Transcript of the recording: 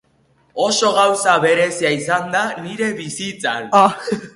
Oso gauza berezia izan da nire bizitzan.